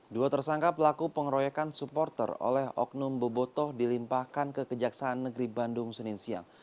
dua tersangka pelaku pengeroyokan supporter oleh oknum bobotoh dilimpahkan ke kejaksaan negeri bandung senin siang